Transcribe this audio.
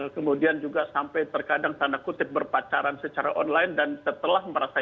kemudian juga sampai terkadang tanda kutip berpacaran secara online dan setelah merasa